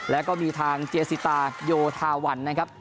แล้วก็มีทางเจซิตาโยธาวันนะครับ